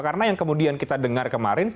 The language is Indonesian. karena yang kemudian kita dengar kemarin